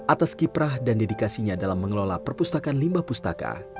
atas kiprah dan dedikasinya dalam mengelola perpustakaan limbah pustaka